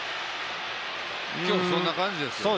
今日そんな感じですね。